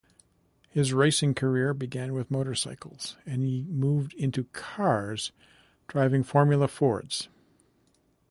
His racing career began with motorcycles and he moved into cars driving Formula Fords.